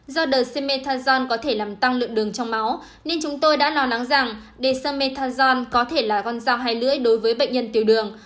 do đợt semestaon có thể làm tăng lượng đường trong máu nên chúng tôi đã lo lắng rằng desamethanol có thể là con dao hai lưỡi đối với bệnh nhân tiểu đường